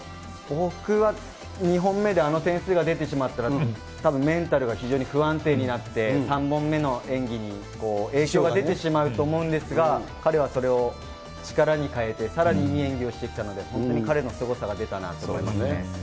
僕は２本目であの点数が出てしまったら、たぶんメンタルが非常に不安定になって、３本目の演技に影響が出てしまうと思うんですが、彼はそれを力に変えて、さらにいい演技をしてきたので、本当に彼のすごさが出たなと思いますね。